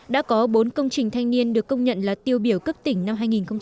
đã có bốn công trình thanh niên được công nhận là tiêu biểu cấp tỉnh năm hai nghìn một mươi chín